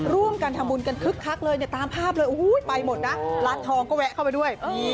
ร่วมกันทำบุญกันคึกคักเลยเนี่ยตามภาพเลยไปหมดนะร้านทองก็แวะเข้าไปด้วย